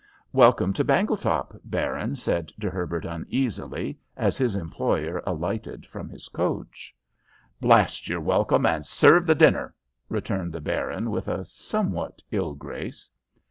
"Welcome to Bangletop, Baron," said De Herbert, uneasily, as his employer alighted from his coach. "Blast your welcome, and serve the dinner," returned the baron, with a somewhat ill grace.